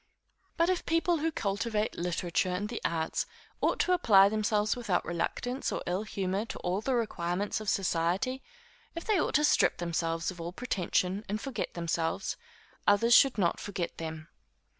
But if people who cultivate literature and the arts ought to apply themselves without reluctance or ill humor to all the requirements of society; if they ought to strip themselves of all pretension, and forget themselves, others should not forget them.